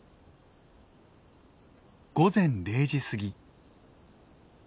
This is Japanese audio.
午前０時過ぎ。